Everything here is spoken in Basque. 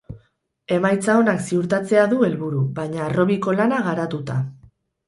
Emaitza onak ziurtatzea du helburu, baina harrobiko lana garatuta.